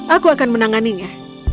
aku akan menanganinya